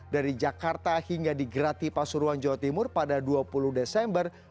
dari jakarta hingga di grati pasuruan jawa timur pada dua puluh desember dua ribu dua puluh